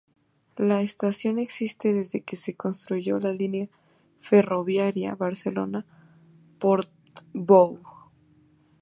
La estación existe desde que se construyó la línea ferroviaria Barcelona-Portbou.